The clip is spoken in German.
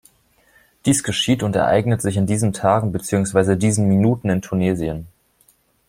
Dies geschieht und ereignet sich in diesen Tagen bzw. diesen Minuten in Tunesien.